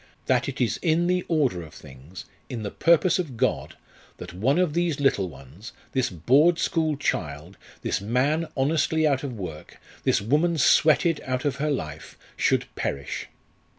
_ that it is in the order of things, in the purpose of God, that one of these little ones this Board School child, this man honestly out of work, this woman "sweated" out of her life should perish!'